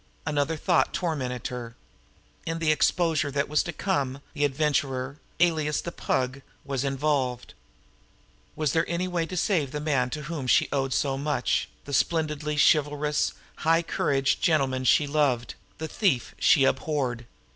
Another thought tormented her. In the exposure that was to come the Adventurer, alias the Pug, was involved. Was there any way to save the man to whom she owed so much, the splendidly chivalrous, high couraged gentleman she loved, the thief she abhorred?